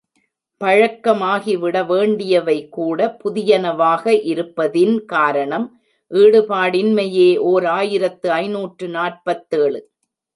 பழக்கமாகிவிட வேண்டியவை கூட புதியனவாக இருப்பதின் காரணம் ஈடுபாடின்மையே ஓர் ஆயிரத்து ஐநூற்று நாற்பத்தேழு.